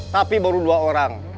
tapi baru dua orang